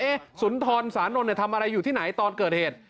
เอ๊ะสุนทรสานนลเนี่ยทำอะไรอยู่ที่ไหนตอนเกิดเหตุ